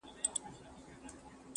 د ښکلیو نجونو شاپېریو وطن!!